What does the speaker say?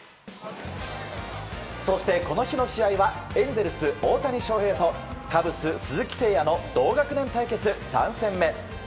そして、この日の試合はエンゼルス大谷翔平とカブス、鈴木誠也の同学年対決３戦目。